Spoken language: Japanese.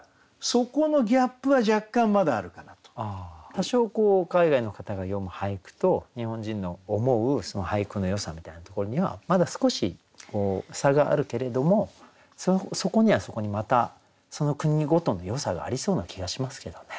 多少海外の方が詠む俳句と日本人の思う俳句のよさみたいなところにはまだ少し差があるけれどもそこにはそこにまたその国ごとのよさがありそうな気がしますけどね。